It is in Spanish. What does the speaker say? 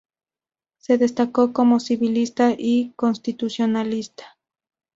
Se destacó como civilista y constitucionalista.